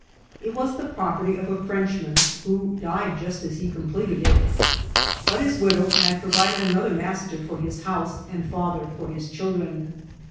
It was the property of a Frenchman, who died just as he conqpleted it ; but his widow had jHrovided another master for his house and father for his children.